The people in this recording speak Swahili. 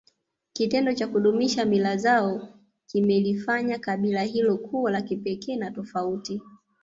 Kitendo cha kudumisha mila zao kimelifanya kabila hilo kuwa la kipekee na tofauti